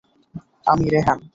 আমি, রেহান।